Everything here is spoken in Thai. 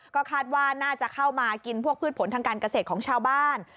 ก็คาดว่าน่าจะเข้ามากินพวกพืชผลทางการเกษตรของชาวบ้าน